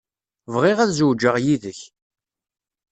Bɣiɣ ad zewǧeɣ yid-k.